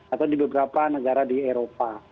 atau di beberapa negara di eropa